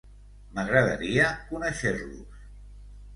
M’agradaria conéixer-los.